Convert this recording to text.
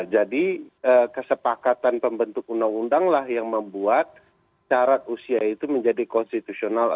kesepakatan pembentuk undang undang lah yang membuat syarat usia itu menjadi konstitusional